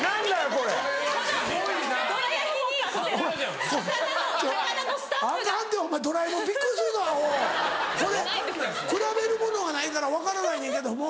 これ比べるものがないから分からないねんけども。